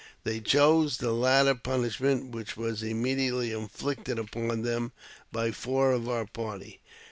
They chose the latter punishment, which was im mediately inflicted upon them by four of our party.